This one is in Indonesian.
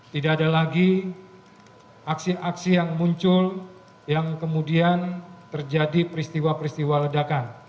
tidak ada lagi aksi aksi yang muncul yang kemudian terjadi peristiwa peristiwa ledakan